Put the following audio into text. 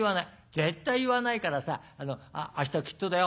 絶対言わないからさ明日きっとだよ」。